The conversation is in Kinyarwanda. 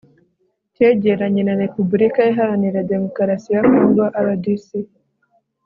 kegeranye na repubulika iharanira demokarasi ya congo (rdc)